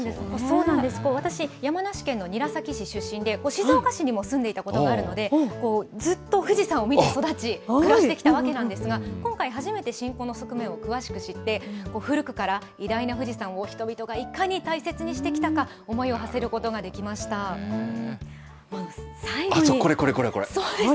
そうなんです、私、山梨県の韮崎市出身で、静岡市にも住んでいたことがあるので、ずっと富士山を見て育ち、暮らしてきたわけなんですが、今回、初めて信仰の側面を詳しく知って、古くから偉大な富士山を人々がいかに大切にしてきたか、思いをは最後に。